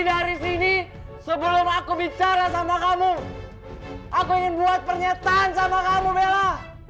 dari sini sebelum aku bicara sama kamu aku ingin buat pernyataan sama kamu bella